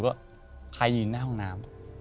ว่าใครยืนหน้าห้องน้ำ